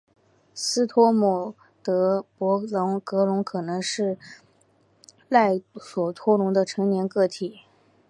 斯托姆博格龙可能是赖索托龙的成年个体。